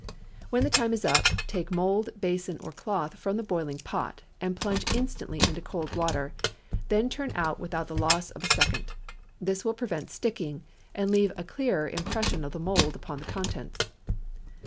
When the time is up, take mould, basin, or cloth from the boiling pot, and plunge instantly into cold water; then turn out without the loss of a second. This will prevent sticking, and leave a clearer impression of the mould upon the contents.